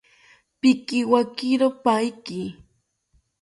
Pikiwakiro paiki